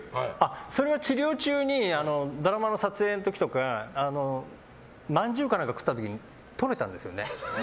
それは治療中にドラマの撮影の時とかまんじゅうか何かを食った時にとれたんですね。